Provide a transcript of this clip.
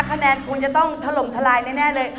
คะแนนคงจะต้องถล่มทลายแน่เลย